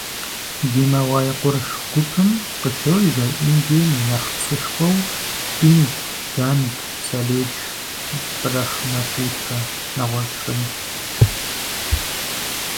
Гималай къурш гупым къыщожьэ Индием и нэхъ псышхуэу Инд, Ганг, Саледж, Брахмапутрэ, нэгъуэщӀхэри.